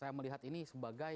saya melihat ini sebagai